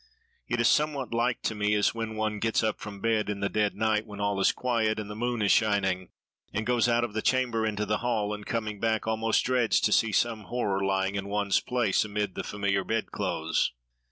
It is somewhat like to me, as when one gets up from bed in the dead night, when all is quiet and the moon is shining, and goes out of the chamber into the hall, and coming back, almost dreads to see some horror lying in one's place amid the familiar bedclothes."